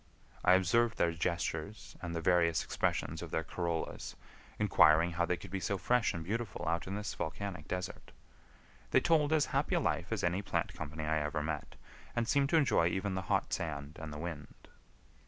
I observed their gestures and the various expressions of their corollas, inquiring how they could be so fresh and beautiful out in this volcanic desert. They told as happy a life as any plant company I ever met, and seemed to enjoy even the hot sand and the wind.